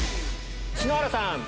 篠原さん。